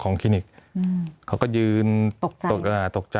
มีความรู้สึกว่ามีความรู้สึกว่า